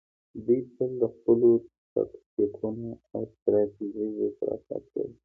دوی تل د خپلو تکتیکونو او استراتیژیو پر اساس لوبه کوي.